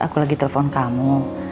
aku lagi telepon kamu